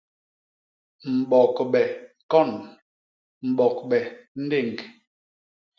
Mbogbe kon; mbogbe ndéñg.